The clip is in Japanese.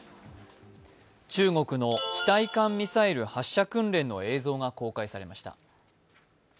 中国の地対艦ミサイル発射訓練の映像が公開されました。